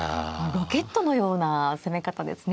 ロケットのような攻め方ですね。